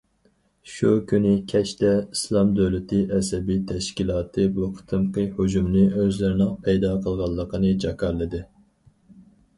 شۇ كۈنى كەچتە، ئىسلام دۆلىتى ئەسەبىي تەشكىلاتى بۇ قېتىمقى ھۇجۇمنى ئۆزلىرىنىڭ پەيدا قىلغانلىقىنى جاكارلىدى.